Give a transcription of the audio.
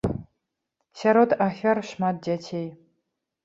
Сярод ахвяр шмат дзяцей.